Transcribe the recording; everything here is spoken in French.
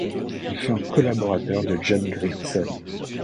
Il fut un collaborateur de John Grierson.